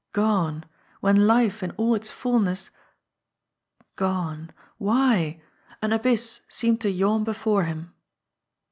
Gone when life in all its fulness ... Gone! Why? An abyss seemed to yawn before him.